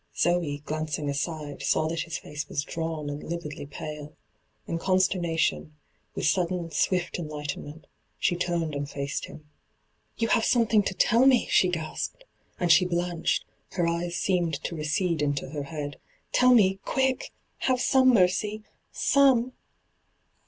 Zoe, glancing aside, saw that his face was drawn and lividly pale. In consternation — with sudden, swifl en lightenment — she turned and faced him. ' You have something to tell me !' 1 she gasped, and she blanched, her eyes seemed to recede into her head. ' Tell me — quick ! Have some mercy — some